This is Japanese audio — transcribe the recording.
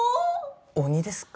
鬼ですか？